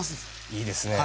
いいですね。